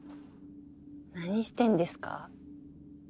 何してんですか？